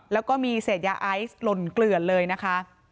แล้วก็มีเศษยาไอซ์หล่นเกลือนเลยนะคะ